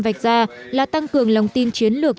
vạch ra là tăng cường lòng tin chiến lược